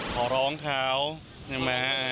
ขอร้องเขาพี่แม